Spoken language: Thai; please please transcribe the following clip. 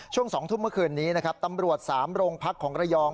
ช่วง๒ทุ่มเมื่อคืนนี้นะครับตำรวจ๓โรงพักของระยอง